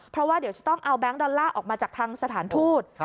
เพราะว่าเดี๋ยวจะต้องเอาแก๊งดอลลาร์ออกมาจากทางสถานทูต